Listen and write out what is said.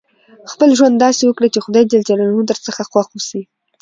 خپل ژوند داسي وکړئ، چي خدای جل جلاله درڅخه خوښ اوسي.